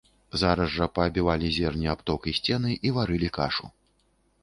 Зараз жа паабівалі зерне аб ток і сцены і варылі кашу.